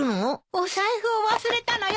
お財布を忘れたのよ。